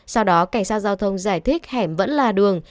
sau đó cảnh sát giao thông giải thích hẻm vẫn là đường